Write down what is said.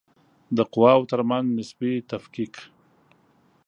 د قواوو ترمنځ نسبي تفکیک